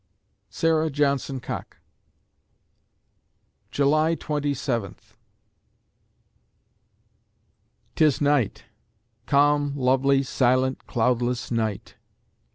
SARAH JOHNSON COCKE July Twenty Seventh 'Tis night! calm, lovely, silent, cloudless night!